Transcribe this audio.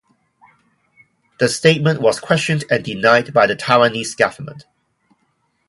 The statement was questioned and denied by the Taiwanese government.